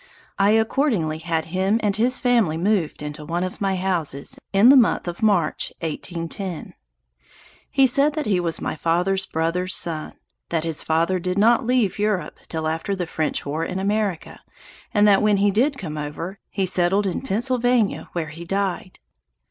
I accordingly had him and his family moved into one of my houses, in the month of March, 1810. He said that he was my father's brother's son that his father did not leave Europe, till after the French war in America, and that when he did come over, he settled in Pennsylvania, where he died.